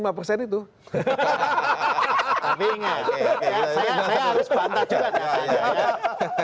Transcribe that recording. tapi ingat saya harus bantah juga